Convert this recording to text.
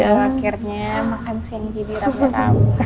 akhirnya makan siang jadi rame rame